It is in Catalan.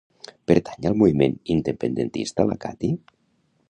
Pertany al moviment independentista la Kati?